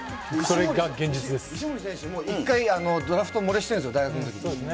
石森選手、もう一回ドラフト漏れしているんですよ、大学のとき。